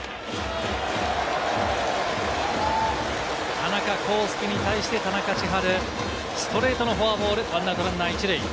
田中広輔に対して田中千晴、ストレートのフォアボール、１アウトランナー１塁。